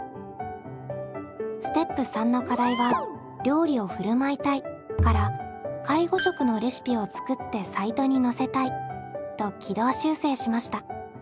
ステップ３の課題は「料理をふるまいたい」から「介護食のレシピを作ってサイトにのせたい」と軌道修正しました。